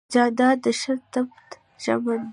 جانداد د ښه نیت ژمن دی.